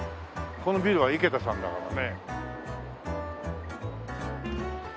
このビルは井桁さんだからね。